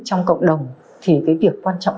trong cộng đồng thì việc quan trọng